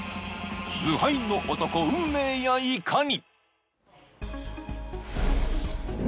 無敗の男、運命やいかに。